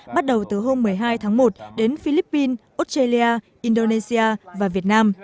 bắt đầu từ hôm một mươi hai tháng một đến philippines australia indonesia và việt nam